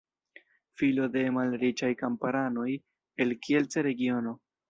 Filo de malriĉaj kamparanoj el Kielce-regiono.